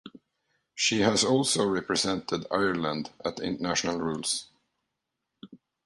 She has also represented Ireland at international rules.